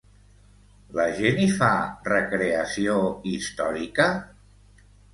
La gent hi fa recreació històrica?